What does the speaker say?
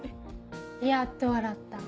やっと笑った。